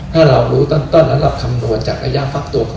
ถ้าเรารู้ต้นแล้วเราคำนวณจากระยะฟักตัวของ